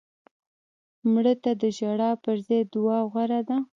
مړه ته د ژړا پر ځای دعا غوره ده